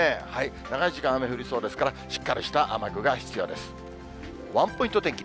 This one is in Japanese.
長い時間、雨降りそうですから、しっかりした雨具が必要です。